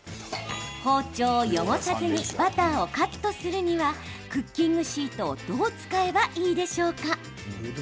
包丁を汚さずにバターをカットするにはクッキングシートをどう使えばいいでしょうか？